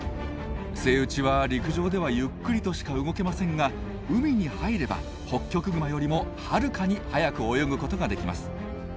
セイウチは陸上ではゆっくりとしか動けませんが海に入ればホッキョクグマよりもはるかに速く泳ぐことができます。